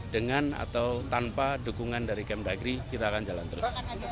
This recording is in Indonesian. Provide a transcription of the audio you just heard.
dengan atau tanpa dukungan dari kementerian dalam negeri kita akan jalan terus